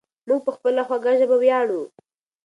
موږ په خپله خوږه ژبه ویاړو.